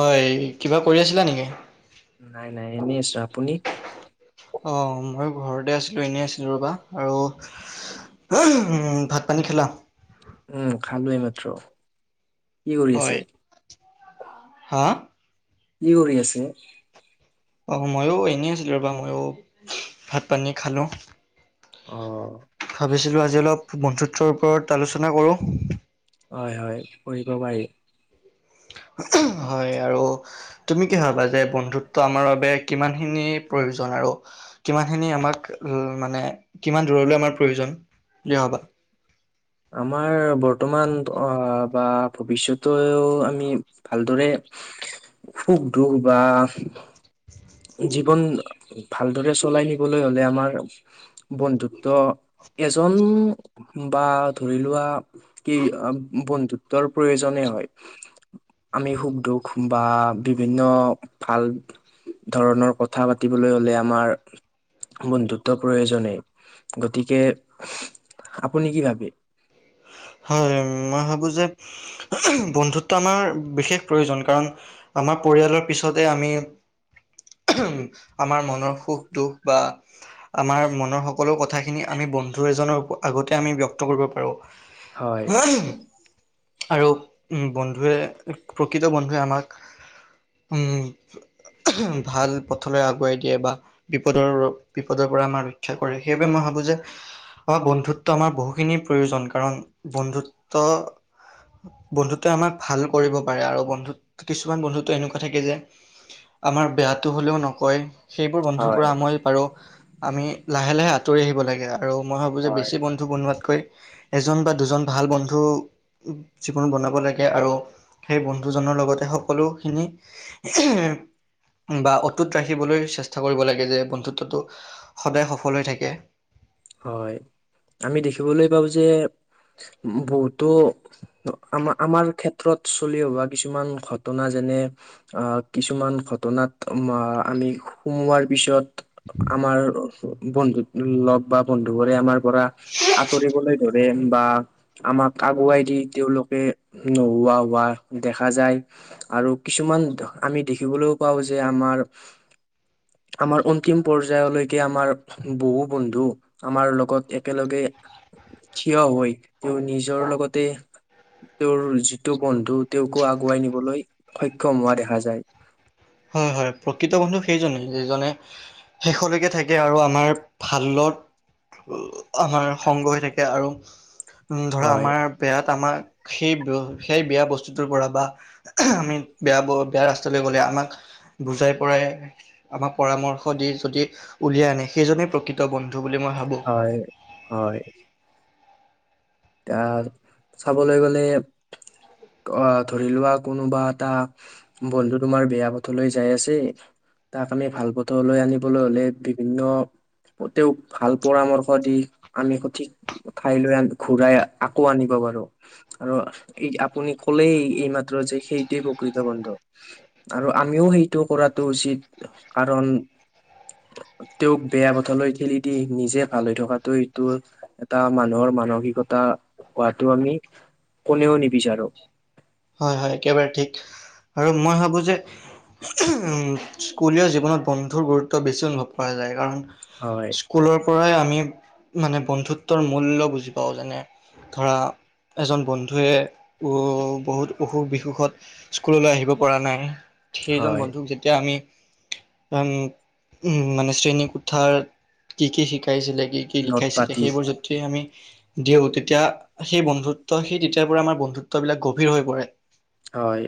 হয় কিবা কৰি আছিলা নেকি? নাই নাই এনেই আছো আপুনি? অ' মই ঘৰতে আছিলো এনেই আছিলো ৰ'বা আৰু হউ, ভাত পানী খালা? উম খালো এইমাত্ৰ। হয়, হা? কি কৰি আছ? অ' ময়ো এনেই আছিলো ৰবা, মইো ভাত পানী খালো। অ'। বন্ধুত্বৰ ওপৰত আলোচনা কৰো। হয় হয় কৰিব পাৰি। হয় আৰু তুমি কি ভাবা যে বন্ধুত্ব আমাৰ বাবে কিমান খিনি প্ৰয় প্ৰয়োজন আৰু কিমান খিনি আমাক, মানে কিমান দূৰলৈ আমাৰ প্ৰয়োজন? ভাবা। আমাৰ বৰ্তমান বা ভৱিষ্যতেও আমি ভালদৰে উ সুখ দুখ বা জীৱন ভালদৰে চলাই নিবলৈ হলে আমাৰ বন্ধুত্ব এজন বা ধৰি লোৱা, কি বন্ধুত্বৰ প্ৰয়োজনে আমি সুখ দুখ বা বিভিন্ন ভাল ধৰণৰ কথা পাতিবলৈ হ'লে আমাৰ বন্ধুত্ব প্ৰয়োজনেই, গতিকে আপুনি কি ভাবে? হয় মই ভাবো যে বন্ধুত্ব আমাৰ বিশেষ প্ৰয়োজন কাৰণ আমাৰ পৰিয়ালৰ পিছতে আমি উহুম। আমাৰ মনৰ সুখ-দুখ বা আমাৰ মনৰ সকলো কথাখিনি আমি, বন্ধু এজনৰ আগতে আমি ব্যক্ত কৰিব পাৰো হয় [unintelligible] আৰু উম, বন্ধুৱে প্ৰকৃত বন্ধুৱে আমাক উম, [unintelligible] ভাল পথলৈ আগুৱাই দিয়ে বা বিপদৰ-বিপদৰ পৰা আমাৰ ৰক্ষা কৰে সেইবুলি মই ভাবো যে অ, বন্ধুত্ব আমাৰ বহুখিনি প্ৰয়োজন কাৰণ বন্ধুত্ব বন্ধুতই আমাক ভাল কৰিব পাৰে আৰু বন্ধুত কিছুমান বন্ধুত্ব এনেকুৱা থাকে যে আমাৰ বেয়াটো হলেও নকয় সেইবোৰ বন্ধুৰ হয় পৰা আমই পাৰো আমি লাহে- লাহে আঁতৰি আহিব লাগে আৰু মই ভাবো যে হয়। বেছি বন্ধু বনোৱাতকৈ এজন বা দুজন ভাল বন্ধু জীৱন বনাব লাগে আৰু সেই বন্ধুজনৰ লগতে সকলোখিনি [unintelligible] উম, বা অটুত ৰাখিবলৈ চেষ্টা কৰিব লাগে যে বন্ধুত্বটো সদায় সফল হৈ থাকে। হয়, আমি দেখিবলৈ পাও যে বহুতো আমাৰ -আমাৰ ক্ষেত্ৰত চলি অহা কিছুমান ঘটনা যে যেনে আহ কিছুমান ঘটনাত আমি সোমোৱাৰ পিছত আমাৰ বন্ধুত লগ বা বন্ধু বোৰে আমাৰ পৰা আঁতৰিবলৈ ধৰে উম, বা আমাক আগুৱাই দি তেওঁলোকে নোহোৱা হোৱা দেখা যায় আৰু কিছুমান আমি দেখিবলৈও পাওঁ যে আমাৰ আমাৰ অন্তিম পৰ্যায়লৈকে আমাৰ বহু বন্ধু আমাৰ লগত একেলগে থিয় হৈ তেওঁ নিজৰ লগতে তেওঁৰ যিটো বন্ধু তেওঁকো আগুৱাই নিবলৈ সক্ষম হোৱা দেখা যায়। হয়-হয় প্ৰকৃত বন্ধু সেইজনে যিজনে শেষলৈকে থাকে আৰু আমাৰ ভাল [unintelligible] আমাৰ সংগ হৈ থাকে আৰু উম ধৰা হয় আমাৰ বেয়াত আমাক সেই সেই বেয়া বস্তুটোৰ পৰা বা আমি বেয়া বেয়া ৰাস্তালৈ গ'লে আমাক বুজাই পৰাই আমাক পৰামৰ্শ দি যদি উলিয়াই আনে সেইজনে প্ৰকৃত বন্ধু বুলি মই ভাবোঁ হয় হয়। এতিয়া চাবলে গ'লে অ ধৰি লোৱা, কোনোবা এটা বন্ধু তোমাৰ বেয়া পথলৈ যায় আছে্ তাক আমি ভাল পথৰলৈ আনিবলৈ হলে বিভিন্ন তেওঁক ভাল পৰামৰ্শ দি আমি সঠিক ঠাইলৈ আনো ঘূৰাই আকৌ আনিব পাৰোঁ আৰু এই আপুনি কলেই এইমাত্ৰ যে সেইটোৱে কৃত বন্ধু, আৰু আমিও সেইটো কৰাটো উচিত কাৰণ, তেওঁক বেয়া পথলৈ ঠেলি দি নিজে ভাল হৈ থকাটো এইটো এটা মানুহৰ মানসিক কতা, হোৱাটো আমি কোনেও নিবিচাৰোঁ। হয় হয় একেবাৰে ঠিক আৰু মই ভাবো যে [unintelligible] স্কুলীয়া জীৱনত বন্ধুৰ গুৰুত্ব বেছি অনুভৱ কৰা যায় কাৰণ হয় স্কুলৰ পৰাই আমি মানে বন্ধুত্বৰ মূল্য বুজি পাওঁ। যেনে ধৰা এজন বন্ধুৱে উ বহুত অসুখ বিসুখত স্কুললৈ আহিব পৰা নাই। সেইজন হয় বন্ধুক যেতিয়া আমি উ উম মানে শ্ৰেণী কোঠাত কি কি শিকাইছিলে কি কি নদ লিখাইছিলে পাতি সেইবোৰ যেতিয়া আমি, দিওঁ তেতিয়া সেই বন্ধুত্ব সেই তেতিয়াৰ পৰা আমাৰ বন্ধুত্ববিলাক গভীৰ হৈ পৰে। হয়।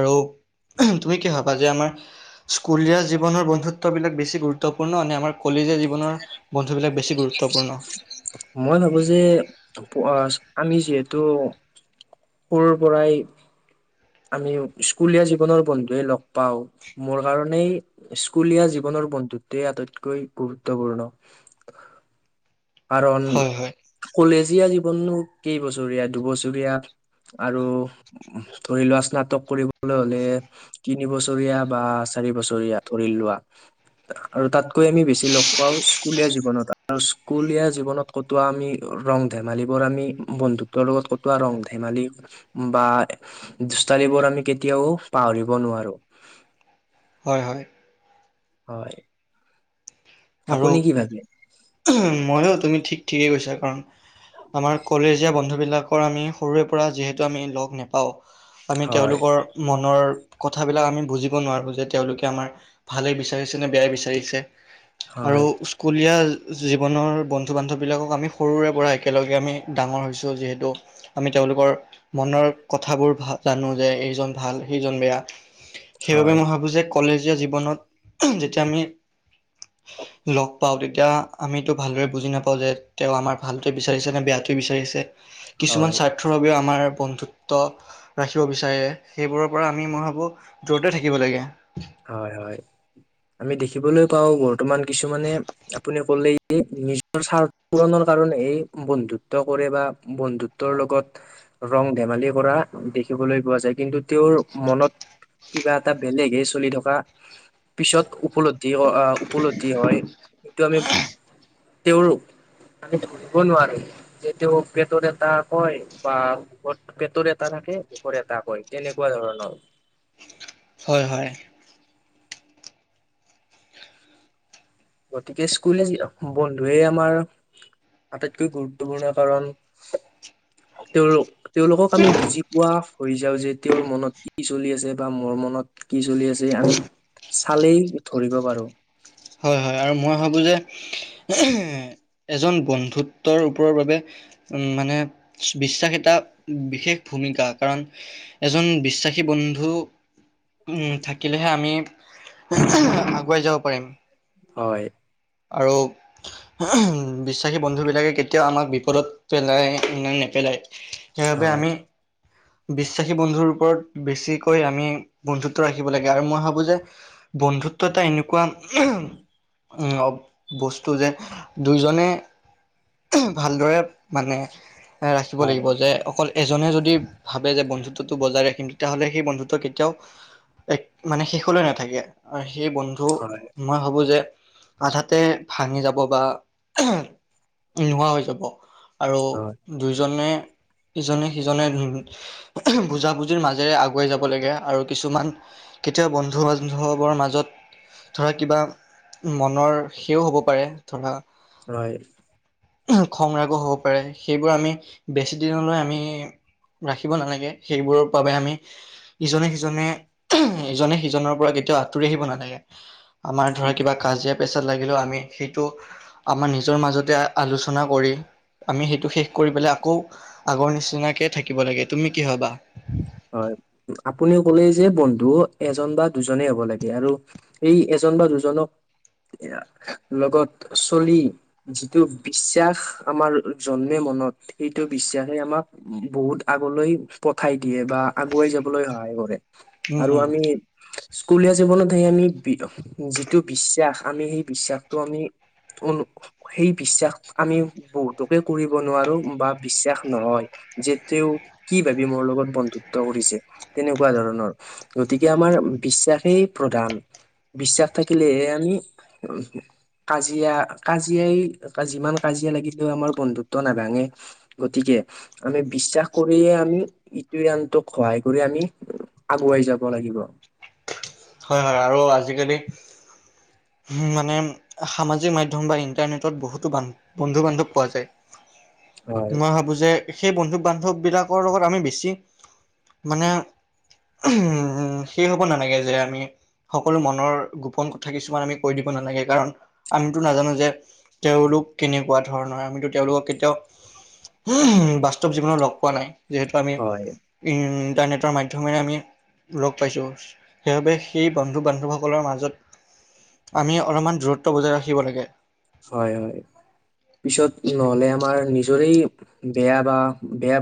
আৰু তুমি কি ভাবা যে আমাৰ,, স্কুলীয়া জীৱনৰ বন্ধুত্ববিলাক বেছি গুৰু্বপূৰ্ণ নে, আমাৰ কলেজীয়া, জীৱনৰ বন্ধুবিলাক বেছি গুৰুত্বপূৰ্ণ মই ভাবো যে আমি যিহেতু সৰুৰ পৰাই আমি স্কুলীয়া জীৱনৰ বন্ধুৱে লগ পাও মোৰ কাৰণেই স্কুলীয়া জীৱনৰ বন্ধুতে আটাইতকৈ গুৰুত্বপূৰ্ণ। [unintelligible] কাৰণ হয় হয় কলেজীয়া জীৱননো কেইবছৰীয়া দুবছৰীয়া আৰু ধৰি লোৱা স্নাতক কৰিবলৈ হলে তিন বছৰীয়া বা চাৰি বছৰীয়া ধৰি লোৱা, আৰু তাতেই কৈ আমি বেছি লগ পাওঁ স্কুলীয়া জীৱনত আৰু স্কুলীয়া জীৱনত কতোৱা আমি ৰং ধেমালিবোৰ, আমি বন্ধুত্বৰ লগত কতোৱা ৰং ধেমালি বা দুষ্টালিবোৰ আমি কেতিয়াও পাহৰিব নোৱাৰো। [unintelligible] হ্য় হ্য়। হয়। আৰু, আপুনি কি ভাবে ময়ো তুমি ঠিক ঠিকেই কৈছা কাৰণ আমাৰ কলেজীয়া বন্ধু বিলাকৰ আমি সৰুৰে পৰা যিহেতু আমি লগ নোপাওঁ। আমি হয়, তেওঁলোকৰ মনৰ কথাবিলাক আমি বুজিব নোৱাৰো যে তেওঁলোকে আমাৰ ভালে বিচাৰিছে নে বেয়াই বিচাৰিছে? আৰু হয়, স্কুলীয়া জীৱনৰ বন্ধু বান্ধৱবিলাকক আমি সৰুৰে পৰা একেলগে আমি ডাঙৰ হৈছোঁ যিহেতু আমি তেওঁলোকৰ মনৰ কথাবোৰ জানো যে এইজন ভাল সেইজন বেয়া। সেইবাবে হয়, মই ভাবো যে কলেজীয়া জীৱনত যেতিয়া আমি লগ পাওঁ তেতিয়া আমিতো ভালদৰে বুজি নাপাওঁ যে, তেওঁ আমাৰ ভালটোৱে বিচাৰিছে নে বেয়াটোৱে বিচাৰিছে। হয়, কিছুমান স্বাৰ্থৰ বাবেও আমাৰ বন্ যুত্ব ৰাখিব বিচাৰে সেইবোৰৰ পৰা আমি, মই ভাবো দূৰতে থাকিব লাগে। হয়, হয়, আমি দেখিবলৈ পাও বৰ্তমান কিছুমানে আপুনি ক'লে যে নিজৰ স্বাৰ্থ পূৰণৰ কাৰণে এই বন্ধুত্ব কৰে বা বন্ধুত্বৰ লগত ৰং ধেমালি কৰা দেখিবলৈ পোৱা যায়। কিন্তু তেওঁৰ মনত কিবা এটা বেলেগ চলি থকা পিছত উপলব্ধি, উপল্ধি হয় সেইটো আমি তেওঁৰ মান ধুলব নোৱাৰাৰে যে তেওঁ পেটৰে এটা কয় বা পেটৰেটা ে এটাক কয় তেনেকুৱা ধৰণৰ। হয় হয়। গতিকে স্কুলে য বন্ধুৱে আমাৰ আটাইতকৈ গুৰুত্বপূৰ্ণ কাৰণ, তেওঁৰ তেওঁলোক আমি বুজি পোৱা কৰি যাও যে তেওঁৰ মনত কি চলি আছে বা মোৰ মনত কি চলি আছে চালেই ধৰিব পাৰো। হয় হয় আৰু মই ভাবো যে এজন বন্ধুত্বৰ ওপৰৰ বাবে উম মানে বিশ্বাস এটা বিশেষ। ভমিকা কাৰণ এজন বিশ্বাসী বন্ধু উম থাকিলেহে আমি আগুৱাই যাব পাৰিম। হয়। আৰু উ বিশ্বাসী বন্ধু ে কেতিয়াও আমাক বিপদত পেলাই ন নেপেলায় সেইবাবে হয় আমি বিশ্বাসী বন্ধুৰ ওপৰত বেছিকৈ আমি বন্ধুত্ব ৰাখিব লাগে আৰু মই ভাবো যে বন্ধুত্ব এটা এনেকুৱা উম বস্তু যে দুইজনে ভালদৰে মানে এ ৰাখিব হয় লাগিব যে অকল এজনে যদি ভাবে যে বন্ধুত্বটো বজাই ৰাখিম তেতিয়াহ'লে সেই বন্ধুত্ব কেতিয়াও এক মানে শেষলৈ নাথাকে আৰু সেই বন্ধু হয় মই ভাবো যে আধাতে ভাঙি যাব বা নোহোৱা হৈ যাব। আৰু দুইজনে। ইজনে, সিজনে বুজা-বুজিৰ মাজেৰে আগুৱাই যাব লাগে আৰু কিছুমান। কেতিয়াবা বন্ধু-বান্ধৱৰ মাজত ধৰা কিবা মনৰ সেও হ'ব পাৰে ধৰা হয়। খং, ৰাগো হ'ব পাৰে। সেইবোৰ আমি বেছি দিনলৈ আমি ৰাখিব নালাগে, সেইবোৰৰ বাবে আমি ইজনে- সিজনে ইজনে সিজনৰ পৰা এতিয়াও আঁতৰি আহিব নালাগে। আমাৰ ধৰা কিবা কাজিয়া-পেচাল লাগিলেও আমি সেইটো আমাৰ নিজৰ মাজতে আলোচনা কৰি আমি সেইটো শেষ কৰি পেলাই আকৌ আগৰ নিচিনাকে থাকিব লাগে তুমি কি ভাবা হয় আপুনি ক'লে যে বন্ধু এজন বা দুজনে হ'ব লাগে আৰু এই এজন জন বা দুজনক এ লগত চলি যিটো বিশ্বাস আমাৰ জন্মে মত সেইটো বিশ্বাসে আমাক বহুত আগলৈ পঠাই। দিয়ে বা আগুৱাই যাবলৈ সহায় কৰে উম, আৰু উম, আমি স্কুলীয়া জীৱনত সেই আমি যিটো বিশ্বাস আমি সেই বিশ্বাসটো আমি সেই বিশ্বাস আমি বহুতোকে কৰিব নোৱাৰো বা বিশ্বাস নহয়। যে তেওঁ কি ভাবি মোৰ লগত বন্ধুত্ব কৰিছে, তেনেকুৱা ধৰণৰ গতিকে আমাৰ বিশ্বাসেই প্ৰধান। বিশ্বাস থাকিলেহে আমি। কাজিয়া, কাজিয়াই যিমান কাজিয়া লাগিলেও আমাৰ বন্ধুত্ব নাভাঙে গতিকে আমি বিশ্বাস কৰিয়ে আমি। আনটোক সহায় কৰি আমি আগুৱাই যাব লাগিব। হয়-হয় আৰু আজিকালি মানে সামাজিক মাধ্যম বা ইন্টাৰনেটত বহুতো বন্ধু- বান্ধৱ পোৱা যায়। হয় মই ভাবো যে সেই বন্ধু-বান্ধৱ বিলাকৰ লগত আমি বেছি মানে উম সেই হ'ব নালাগে যে আমি সকলো মনৰ গোপন কথা কিছুমান আমি কৈ দিব নালাগে কাৰণ আমিতো নাজানো যে তেওঁলোক কেনেকুৱা ধৰণৰ আমিতো তেওঁলোকক কেতিয়াও উ বাস্তৱ জীৱনত লগ পোৱা নাই। যিহেতু আমি হয় ইণ্টাৰনেটৰ মাধ্যমেৰে আমি লগ পাইছো সেইবাবে সেই বন্ধু-বান্ধৱসকলৰ মাজত আমি অলপমান দূৰত্ব বজাই ৰাখিব লাগে। হয়-হয় পিছত নহ'লে আমাৰ নি নিজৰেই বেয়া বা বেয়া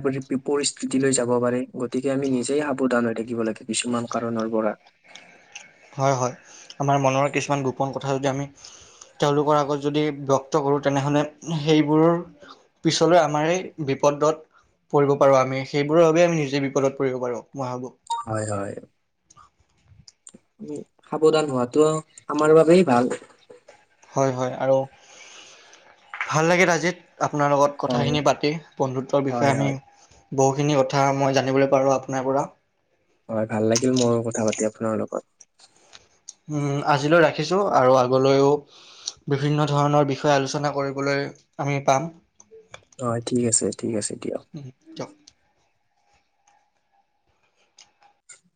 পৰিস্থিতিলৈ যাব পাৰে গতিকে আমি নিজেই সাৱধান থাকিব লাগে কিছুমান কাৰণৰ পৰা হয়-হয় আমাৰ মনৰ কিছুমান গোপন কথা যদি আমি তেওঁলোকৰ আগত যদি ব্যক্ত কৰো তেনেহ'লে সেইবোৰৰ পিছলৈ আমাৰ বিপদত পৰিব পাৰো আমি। সেইবোৰৰ বাবে আমি নিজে বিপদত পৰিব পাৰো। হয়-হয়। উ সাৱধান হোৱাাতটো আমাৰ বাবেেই ভাল। হয়-হয় আৰু ভাল লাগিল আজি। আপোনাৰ লগত হয় কথাখিনি পাতি বন্ধুত্বৰ বিষয়ে হয় আমি হয় বহুখিনি কথা মই জানিবলৈ পালো আপোনাৰ পৰা। হয় ভাল লাগিল মোৰো কথা পাতি আপোনাৰ লগত। উম, আজিলৈ ৰাখিছো আৰু আগলৈও বিভিন্ন ধৰণৰ বিষয়ে আলোচনা কৰিবলৈ আমি পাম। হয় ঠিক আছে, ঠিক আছে। দিয়ক [unintelligible]